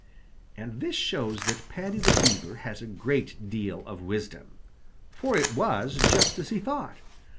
And this shows that Paddy the Beaver has a great deal of wisdom, for it was just as he thought.